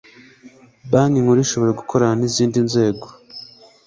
banki nkuru ishobora gukorana n izindi nzego